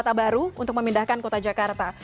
kota baru untuk memindahkan kota jakarta